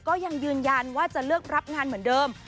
ก็ยังยืนยันว่าจะเลือกรับงานเหมือนเดิม